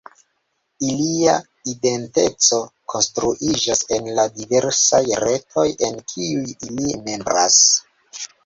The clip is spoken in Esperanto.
Ilia identeco konstruiĝas en la diversaj retoj en kiuj ili membras.